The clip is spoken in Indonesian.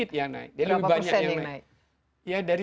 tapi sedikit yang naik